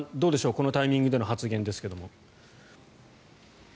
このタイミングでの発言ですが。